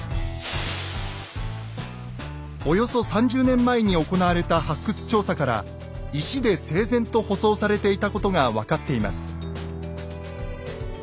およそ３０年前に行われた発掘調査から石で整然と舗装されていたことが分かっています。